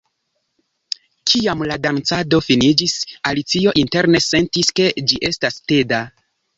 Kiam la dancado finiĝis, Alicio interne sentis ke ĝi estas teda.